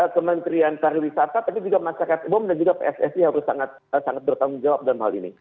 kementerian pariwisata tapi juga masyarakat bom dan juga pssi harus sangat bertanggung jawab dalam hal ini